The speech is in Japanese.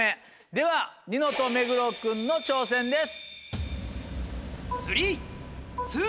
ではニノと目黒君の挑戦です。